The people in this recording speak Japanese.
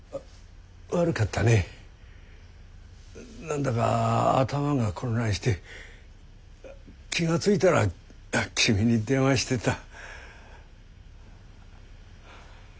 何だか頭が混乱して気が付いたら君に電話してた。